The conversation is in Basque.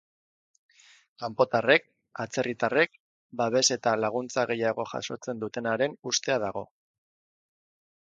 Kanpotarrek, atzerritarrek, babes eta laguntza gehiago jasotzen dutenaren ustea dago.